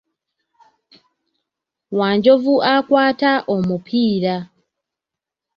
Wanjovu akwata omupiira.